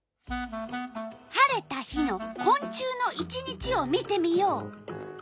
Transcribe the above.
晴れた日のこん虫の１日を見てみよう。